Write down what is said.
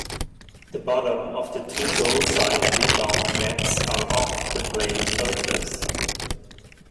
The bottom of the two goalside rebound nets are off the playing surface.